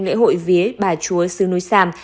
lễ hội vía bà chúa sứ núi sam